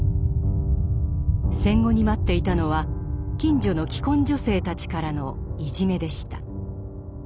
戦後に待っていたのは近所の既婚女性たちからのいじめでした。